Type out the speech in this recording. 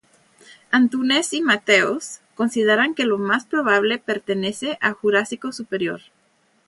Antunes y Mateus, consideran que lo más probable pertenece a Jurásico superior.